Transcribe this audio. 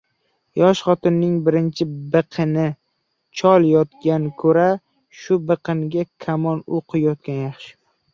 Yosh xotinning biqinida chol yotgandan ko‘ra, shu biqinga kamon o‘qi botgani yaxshi.